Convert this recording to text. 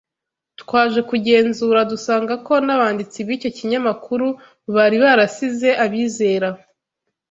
Twaje kugenzura dusanga ko n’abanditsi b’icyo kinyamakuru bari barasize abizera